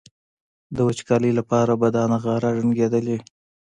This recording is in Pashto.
د وچکالۍ لپاره به دا نغاره ډنګېدلي وي.